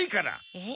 えっ？